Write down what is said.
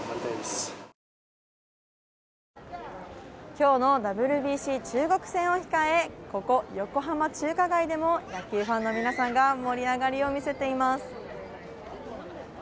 今日のＷＢＣ中国戦を控えここ、横浜中華街でも野球ファンの皆さんが盛り上がりを見せています。